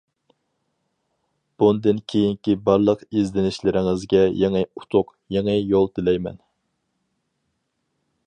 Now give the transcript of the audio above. بۇندىن كېيىنكى بارلىق ئىزدىنىشلىرىڭىزگە يېڭى ئۇتۇق، يېڭى يول تىلەيمەن!